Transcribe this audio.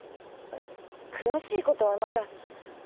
詳しいことはまだ。